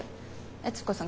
悦子さん